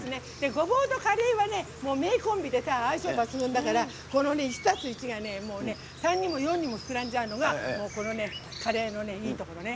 ごぼうとカレーは名コンビで相性抜群だからこの１足す１が３にも４にも膨らんじゃうのがこのカレーのいいところね。